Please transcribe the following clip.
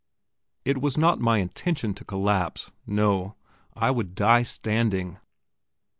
It was not my intention to collapse; no, I would die standing.